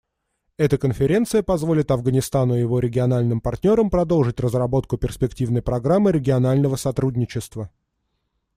Эта конференция позволит Афганистану и его региональным партнерам продолжить разработку перспективной программы регионального сотрудничества.